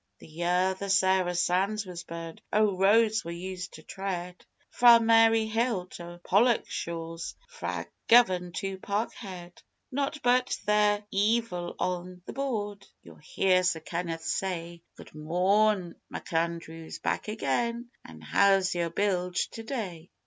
(The year the Sarah Sands was burned. Oh roads we used to tread, Fra' Maryhill to Pollokshaws fra' Govan to Parkhead!) Not but they're ceevil on the Board. Ye'll hear Sir Kenneth say: "Good morrn, McAndrews! Back again? An' how's your bilge to day?"